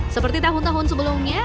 seperti tahun tahun sebelumnya